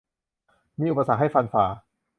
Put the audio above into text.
มีอุปสรรคให้ฟันฝ่า